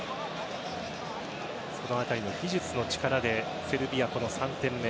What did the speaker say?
その辺りの技術の力でセルビア、３点目。